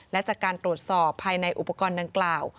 และจากการตรวจสอบภายในอุปกรณ์ดังกล่าว